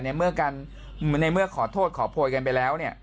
ในเมื่อการในเมื่อขอโทษขอโพยกันไปแล้วเนี่ย